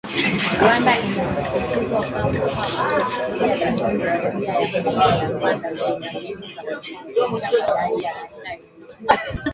Rwanda inasisitizwa kwamba Jamuhuri ya Demokrasia ya Kongo na Rwanda zina mbinu za kuthibitisha madai ya aina yoyote